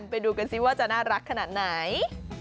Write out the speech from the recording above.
ไปดูว่าน่ารักขนาดไหน